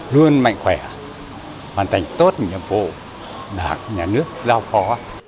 luôn mạnh khỏe hoàn thành tốt nhiệm vụ đảng nhà nước giao phó